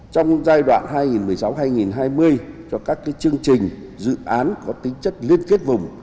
trong giai đoạn hai nghìn một mươi sáu hai nghìn hai mươi cho các chương trình dự án có tính chất liên kết vùng